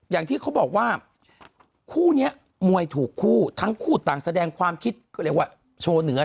อย่างที่เขาบอกว่าคู่นี้มวยถูกคู่ทั้งคู่ต่างแสดงความคิดก็เรียกว่าโชว์เหนือ